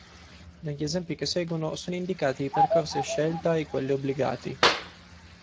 Negli esempi che seguono sono indicati i percorsi a scelta e quelli obbligati.